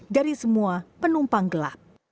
dari semua penumpang gelap